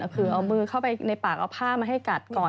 คือเอามือเข้าไปในปากเอาผ้ามาให้กัดก่อน